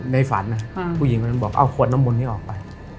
ในฝันผู้หญิงคนนั้นบอกเอาขวดน้ำมนต์นี้ออกไป